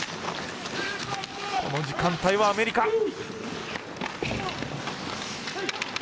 この時間帯はアメリカ。